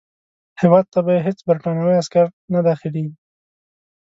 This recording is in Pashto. هیواد ته به یې هیڅ برټانوي عسکر نه داخلیږي.